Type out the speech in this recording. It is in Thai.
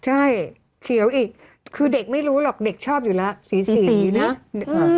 ใช่เขียวอีกคือเด็กไม่รู้หรอกเด็กชอบอยู่แล้วสีสีนะ